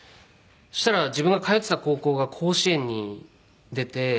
そしたら自分が通ってた高校が甲子園に出て。